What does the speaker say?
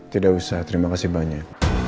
tidak usah terima kasih banyak